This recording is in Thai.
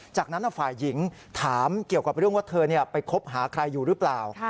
จากนั้นฝ่ายหญิงถามเกี่ยวกับเรื่องว่าเธอไปคบหาใครอยู่หรือเปล่า